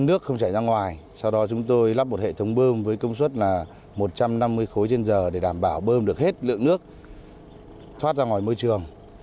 nước không chảy ra ngoài sau đó chúng tôi lắp một hệ thống bơm với công suất là một trăm năm mươi khối trên giờ để đảm bảo bơm được hết lượng nước thoát ra ngoài môi trường